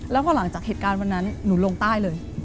แล้วพอหลังจากเหตุการณ์วันนั้นหนูลงใต้เลย